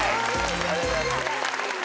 ありがとうございます。